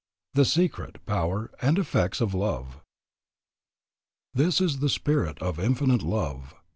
THE SECRET, POWER, AND EFFECTS OF LOVE. This is the Spirit of Infinite Love.